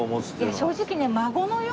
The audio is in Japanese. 正直ね